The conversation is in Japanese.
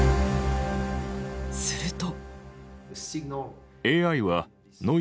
すると。